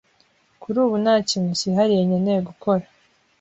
Kuri ubu nta kintu cyihariye nkeneye gukora.